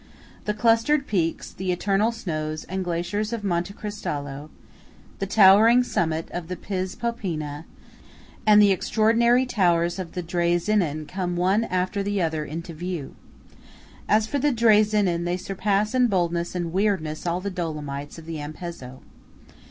The clustered peaks, the eternal snows and glaciers of Monte Cristallo; the towering summit of the Piz Popena; and the extraordinary towers of the Drei Zinnen come one after the other into view. As for the Drei Zinnen, they surpass in boldness and weirdness all the Dolomites of the Ampezzo.